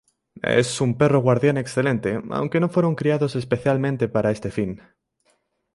Es un perro guardián excelente, aunque no fueron criados específicamente para este fin.